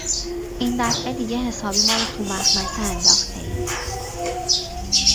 این دفعه دیگه حسابی مارو تو مخمصه انداختهای!